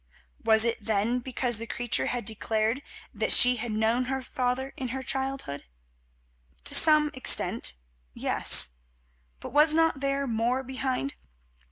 Was it then because the creature had declared that she had known her father in her childhood? To some extent yes, but was not there more behind?